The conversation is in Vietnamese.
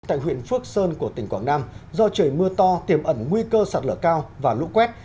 tại huyện phước sơn của tỉnh quảng nam do trời mưa to tiềm ẩn nguy cơ sạt lở cao và lũ quét